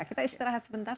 kita istirahat sebentar